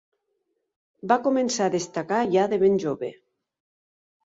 Va començar a destacar ja de ben jove.